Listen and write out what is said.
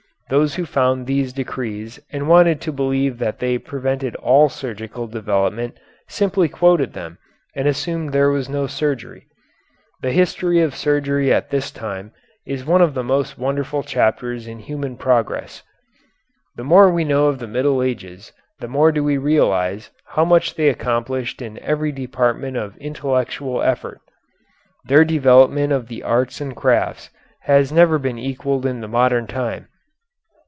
Those who found these decrees and wanted to believe that they prevented all surgical development simply quoted them and assumed there was no surgery. The history of surgery at this time is one of the most wonderful chapters in human progress. The more we know of the Middle Ages the more do we realize how much they accomplished in every department of intellectual effort. Their development of the arts and crafts has never been equalled in the modern time.